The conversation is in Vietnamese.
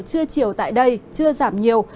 chưa chiều tại đây chưa giảm nhiều